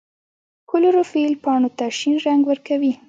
کلوروفیل پاڼو ته شین رنګ ورکوي